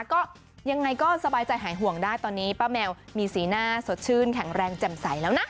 ก็ยังไงก็สบายใจหายห่วงได้ตอนนี้ป้าแมวมีสีหน้าสดชื่นแข็งแรงแจ่มใสแล้วนะ